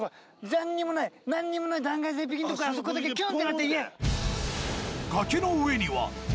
何にもない何にもない断崖絶壁のとこからあそこだけキュンってなった家。